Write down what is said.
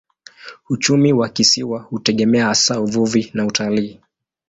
Uchumi wa kisiwa hutegemea hasa uvuvi na utalii.